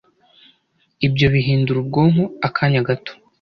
Ibyo bihindura ubwonko akanya gato